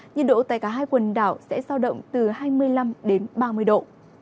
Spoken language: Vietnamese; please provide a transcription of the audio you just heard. nhiệt độ tại cả hai quần đảo sẽ giao động từ hai mươi năm ba mươi độ